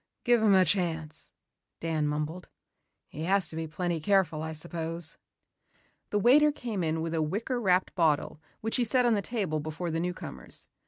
"Give him a chance," Dan mumbled. "He has to be plenty careful, I suppose." The waiter came in with a wicker wrapped bottle which he set on the table before the newcomers.